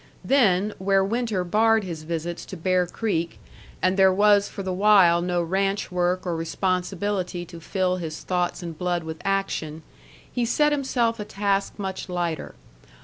Then, where winter barred his visits to Bear Creek, and there was for the while no ranch work or responsibility to fill his thoughts and blood with action, he set himself a task much lighter.